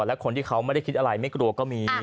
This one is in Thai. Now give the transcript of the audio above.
และคนที่เขาไม่ได้คิดอะไรไม่กลัวก็มี